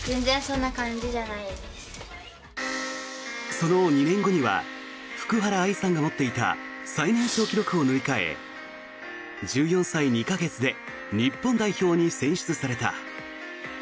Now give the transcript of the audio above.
その２年後には福原愛さんが持っていた最年少記録を塗り替え１４歳２か月で日本代表に選出された。